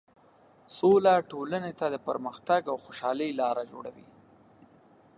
سوله ټولنې ته د پرمختګ او خوشحالۍ لاره جوړوي.